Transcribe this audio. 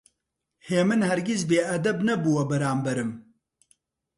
هێمن هەرگیز بێئەدەب نەبووە بەرامبەرم.